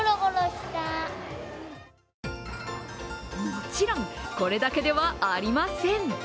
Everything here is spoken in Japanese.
もちろん、これだけではありません。